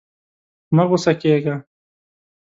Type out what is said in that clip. مه غوسه کېږه!